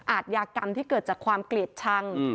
อาทยากรรมที่เกิดจากความเกลียดชัง